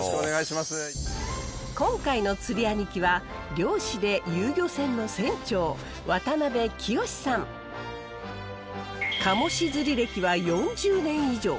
今回の釣り兄貴は漁師で遊漁船の船長カモシ釣り歴は４０年以上。